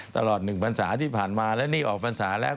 ตลอดหนึ่งภาษาที่ผ่านมาแล้วนี่ออกภาษาแล้ว